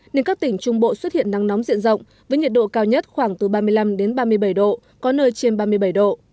nên các tỉnh trung bộ xuất hiện nắng nóng diện rộng với nhiệt độ cao nhất khoảng từ ba mươi năm đến ba mươi bảy độ có nơi trên ba mươi bảy độ